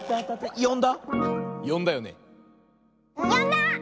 よんだ？